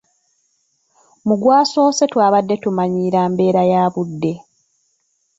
Mu gwasoose twabadde tumanyiira mbeera ya budde.